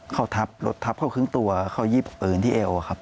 เขาทับรถทับเขาครึ่งตัวเขายิบปืนที่เอวครับ